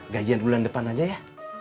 gajian bulan depan aja ya